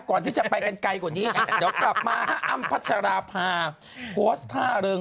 ก่อนที่จะไปกันไกลกว่านี้